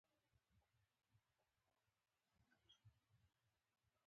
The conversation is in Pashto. پر ټول جایداد غېږ را ورګرځوله.